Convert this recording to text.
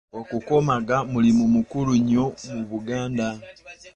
Okukomaga mulimu mukulu nnyo mu Buganda.